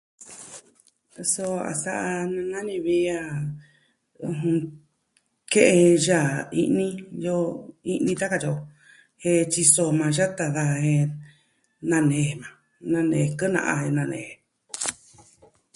Suu a sa'a nana ni vi a ɨjɨn, ke'en jen yaa i'ni. iyo i'ni tan, katyi o. Jen tyiso jo maa yata daja jen nanee maa. Nanee, kɨna'a ja jen nanee je.